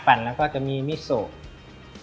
อ๋อมันเป็นมิโซเครื่องเคียงครับผม